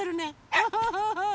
ウフフフ！